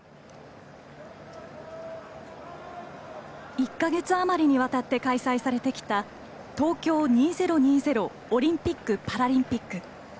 １か月余りにわたって開催されてきた東京２０２０オリンピック・パラリンピック。